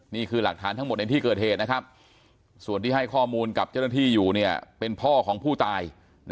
นี่คือหลักฐานทั้งหมดในที่เกิดเหตุนะครับส่วนที่ให้ข้อมูลกับเจ้าหน้าที่อยู่เป็นพ่อของผู้ตาย